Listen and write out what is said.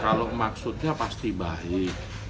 kalau maksudnya pasti baik